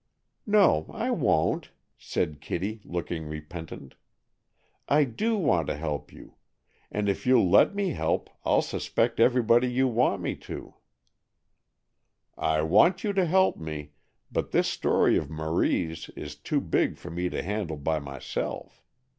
"No, I won't," said Kitty, looking repentant. "I do want to help you; and if you'll let me help, I'll suspect everybody you want me to." "I want you to help me, but this story of Marie's is too big for me to handle by myself.